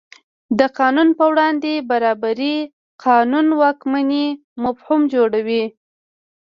د قانون په وړاندې برابري قانون واکمنۍ مفهوم جوړوي.